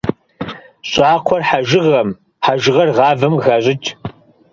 ЩӀакхъуэр хьэжыгъэм, хьэжыгъэр гъавэм къыхащӀыкӀ.